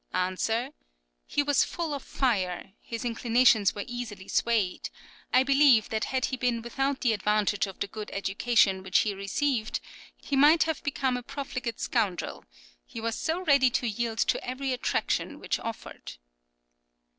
Answer: He was full of fire; his inclinations were easily swayed: I believe that had he been without the advantage of the good education which he received, he might have become a profligate scoundrel he was so ready to yield to every attraction which offered.